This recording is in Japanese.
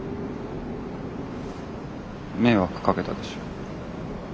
迷惑かけたでしょ。